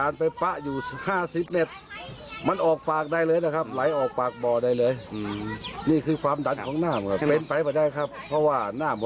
ลักษณะน้ำเนี้ยคล้ายกับน้ำดั้นขึ้นมาบนเลยครับ